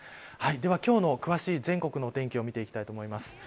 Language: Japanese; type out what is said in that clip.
では、今日の詳しい全国のお天気を見ていきたいと思います。